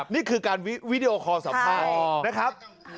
นี่คือการวิดีโอคอลสัมภาษณ์นะครับ